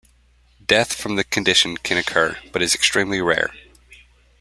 Death from the condition can occur, but is extremely rare.